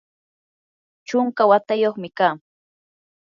chunka watayuqmi kaa.